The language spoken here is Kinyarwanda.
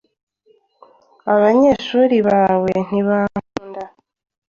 Abanyeshuri bawe ntibankunda.